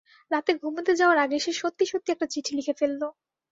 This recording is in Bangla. রাতে ঘুমুতে যাওয়ার আগে সে সত্যি সত্যি একটা চিঠি লিখে ফেলল।